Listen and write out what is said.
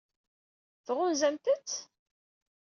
Tɣunzamt-tt?